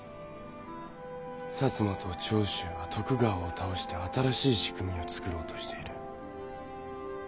摩と長州は徳川を倒して新しい仕組みをつくろうとしている。